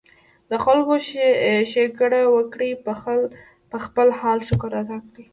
د خلکو ښېګړه وکړي ، پۀ خپل حال شکر ادا کړي